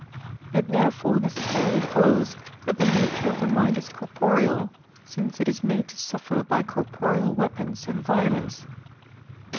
It therefore necessarily follows that the nature of the mind is corporeal, since it is made to suffer by corporeal weapons and violience.